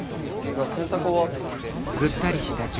なあ洗濯終わって。